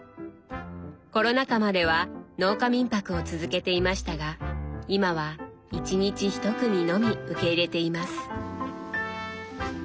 コロナ禍までは農家民泊を続けていましたが今は一日１組のみ受け入れています。